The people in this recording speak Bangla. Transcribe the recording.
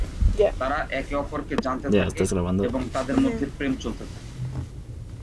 তারা একে অপরকে জানতে থাকে এবং তাদের মধ্যে প্রেম চলতে থাকে।